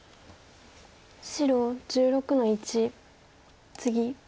白１６の一ツギ。